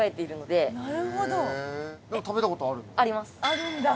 あるんだ。